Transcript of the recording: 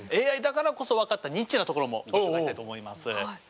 ＡＩだからこそ分かったニッチなところもご紹介したいと思います。